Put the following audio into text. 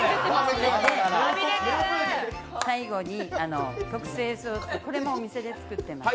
最後に特製ソース、これもお店で作ってます。